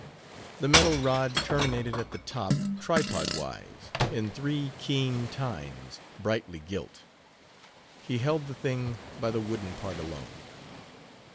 The metal rod terminated at the top tripodwise, in three keen tines, brightly gilt. He held the thing by the wooden part alone.